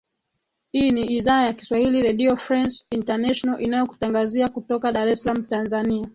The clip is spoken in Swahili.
ii ni idhaa ya kiswahili redio france international inayokutangazia kutoka dar es salaam tanzania